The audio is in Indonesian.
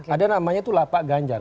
ada namanya itu lapak ganjar